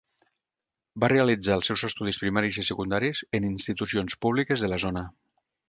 Va realitzar els seus estudis primaris i secundaris en institucions públiques de la zona.